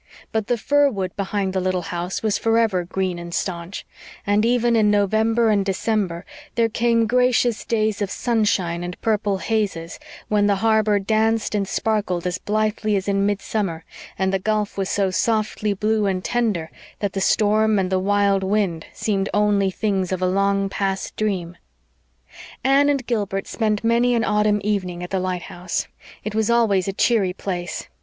But the fir wood behind the little house was forever green and staunch; and even in November and December there came gracious days of sunshine and purple hazes, when the harbor danced and sparkled as blithely as in midsummer, and the gulf was so softly blue and tender that the storm and the wild wind seemed only things of a long past dream. Anne and Gilbert spent many an autumn evening at the lighthouse. It was always a cheery place.